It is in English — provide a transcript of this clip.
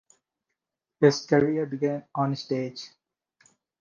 His career began on stage.